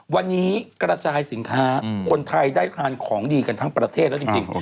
วันนี้กระจายสินค้าคนไทยได้ทานของดีกันทั้งประเทศแล้วจริง